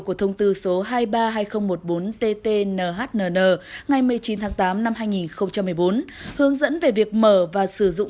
của thông tư số hai trăm ba mươi hai nghìn một mươi bốn tt nhnn ngày một mươi chín tháng tám năm hai nghìn một mươi bốn hướng dẫn về việc mở và sử dụng